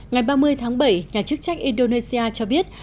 ngày ba mươi tháng bảy nhà chức trách indonesia cho biết